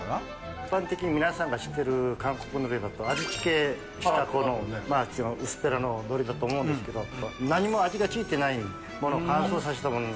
一般的に皆さんが知ってる韓国のりだと味がついてる薄っぺらののりだと思うんですけど何も味がついてないものを乾燥させたもの。